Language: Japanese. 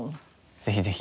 ぜひぜひ。